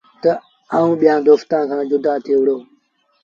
تا آئوٚݩ ٻيآݩ دوستآݩ کآݩ جدآ ٿئي وُهڙو ۔